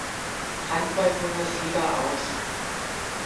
Handball-Bundesliga aus.